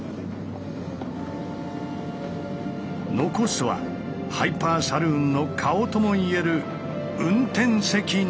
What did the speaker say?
残すは「ハイパーサルーン」の顔ともいえる運転席のみ。